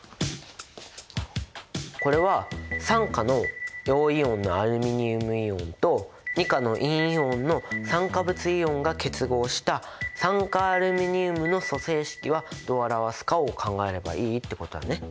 これは３価の陽イオンのアルミニウムイオンと２価の陰イオンの酸化物イオンが結合した酸化アルミニウムの組成式はどう表すかを考えればいいってことだね。